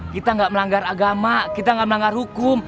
kita gak melanggar agama kita gak melanggar hukum